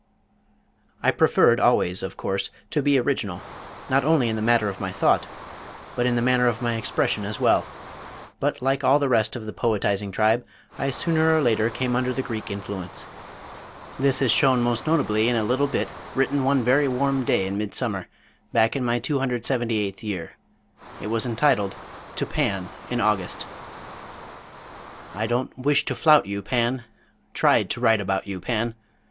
I preferred always, of course, to be original, not only in the matter of my thought, but in the manner of my expression as well, but like all the rest of the poetizing tribe, I sooner or later came under the Greek influence. This is shown most notably in a little bit written one very warm day in midsummer, back in my 278th year. It was entitled TO PAN IN AUGUST I don't wish to flout you, Pan. Tried to write about you, Pan.